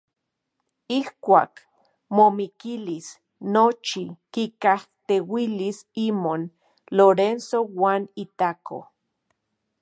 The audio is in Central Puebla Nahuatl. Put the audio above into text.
Ijkuak momikilis nochi kikajteuilis imon Lorenzo uan itako.